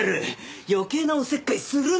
余計なおせっかいするな！